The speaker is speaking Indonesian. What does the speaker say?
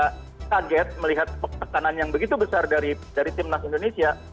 mereka kaget melihat tekanan yang begitu besar dari timnas indonesia